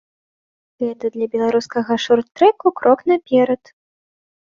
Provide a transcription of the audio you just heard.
І гэта для беларускага шорт-трэку крок наперад.